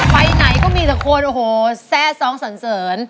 ไฟไหนก็มีทุกคนโอ้โหแซ่ซ้องเสริญ